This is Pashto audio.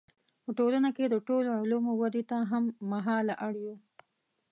په ټولنه کې د ټولو علومو ودې ته هم مهاله اړ یو.